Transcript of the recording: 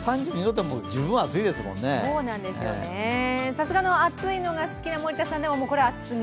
さすがの暑いのが好きな森田さんでも、これは暑すぎ？